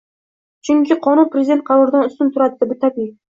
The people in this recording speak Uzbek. Chunki qonun Prezident qaroridan ustun turadi, bu tabiiy.